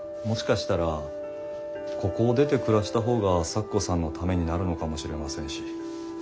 もしかしたらここを出て暮らした方が咲子さんのためになるのかもしれませんし。